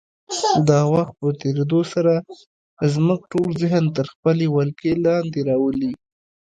د وخت په تېرېدو سره زموږ ټول ذهن تر خپلې ولکې لاندې راولي.